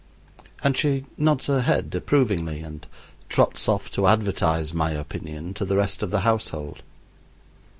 And she nods her head approvingly and trots off to advertise my opinion to the rest of the household.